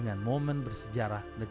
jangan lupa sukai yang apa anda